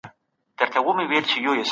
هغه څوک چي ویره لري برخه نه لري.